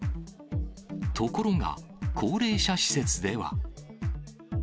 ところが、高齢者施設では。